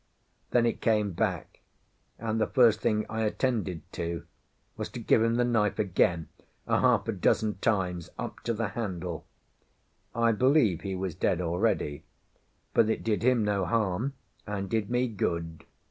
Then it came back, and the first thing I attended to was to give him the knife again a half a dozen times up to the handle. I believe he was dead already, but it did him no harm and did me good.